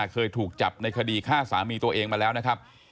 เคยถูกจับในคดีฆ่าสามีตัวเองมาแล้วนะครับ